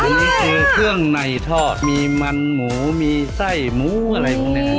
อันนี้คือเครื่องในทอดมีมันหมูมีไส้หมูอะไรพวกนี้